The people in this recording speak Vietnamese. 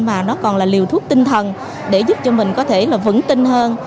mà nó còn là liều thuốc tinh thần để giúp cho mình có thể là vững tin hơn